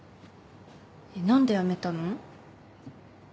えっ何で辞めたの？